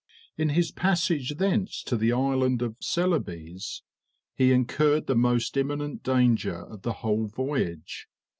In his passage thence to the island of Celebes, he incurred the most imminent danger of the whole voyage.